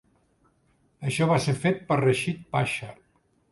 Això va ser fet per Reshid Pasha.